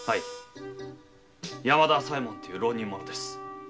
山田朝右衛門という浪人者です